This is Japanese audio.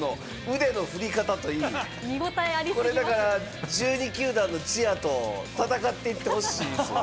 腕の振り方といい、これ、だから１２球団のチアと戦っていってほしいですよね。